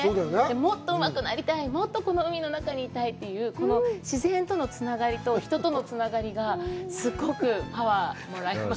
もっとうまくなりたい、もっとこの海の中にいたいという、この自然とのつながりと人とのつながりがすごくパワーもらえました。